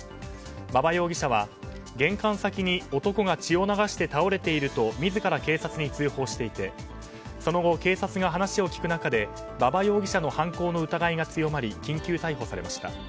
馬場容疑者は玄関先に男が血を流して倒れていると自ら警察に通報していてその後、警察が話を聞く中で馬場容疑者の犯行の疑いが強まり緊急逮捕されました。